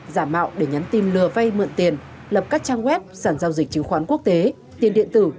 giả mạo để nhắn tin lừa vay mượn tiền lập các trang web sản giao dịch chứng khoán quốc tế tiền điện tử